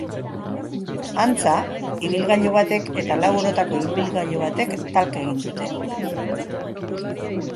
Antza, ibilgailu batek eta lau orotako ibilgailu batek talka egin dute.